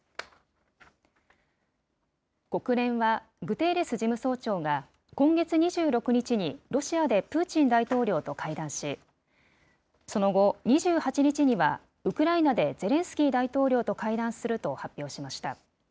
国連は、グテーレス事務総長が今月２６日にロシアでプーチン大統領と会談し、その後、２８日にはウクライナでゼレンスキー大統領と会談すると発表しました。